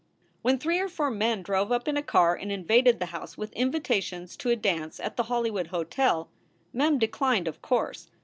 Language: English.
When three or four men drove up in a car and invaded the house with invitations to a dance at the Hollywood Hotel, Mem declined, of course.